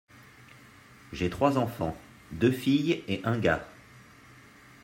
J’ai trois enfants, deux filles et un gars.